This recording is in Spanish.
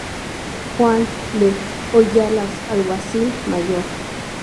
Juan de Ayolas, Alguacil Mayor.